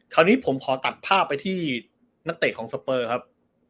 คราวนี้ผมคอตัดภาพไปที่นักเตทของครับ